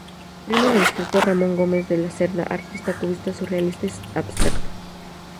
Primo del escritor Ramón Gómez de la Serna, artista cubista, surrealista y abstracto.